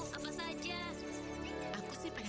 kamu tidur terus sih